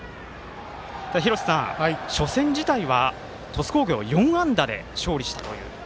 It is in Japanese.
廣瀬さん、初戦自体は鳥栖工業４安打で勝利したという。